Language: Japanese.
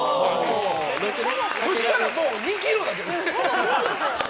そしたら、もう２ｋｇだけど。